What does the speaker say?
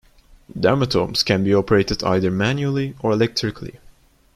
Dermatomes can be operated either manually or electrically.